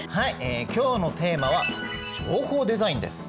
今日のテーマは「情報デザイン」です。